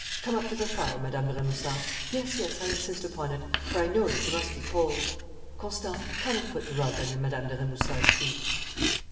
Come up to the fire, Madame de Remusat! Yes, yes, I insist upon it, for I know that you must be cold. Constant, come and put the rug under Madame de Remusat's feet.'